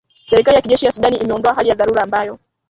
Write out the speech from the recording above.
Serikali ya kijeshi ya Sudan imeondoa hali ya dharura ambayo